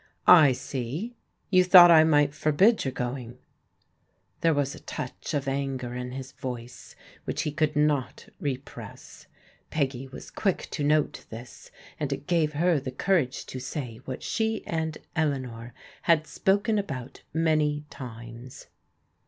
*' I see. You thought I might forbid your going." There was a touch of anger in his voice which he could 44 €€ THE STORM BBEAES 45 not repress. Peggy was quick to note this, and it gave her the courage to say what she and Eleanor had spoken at)out many times.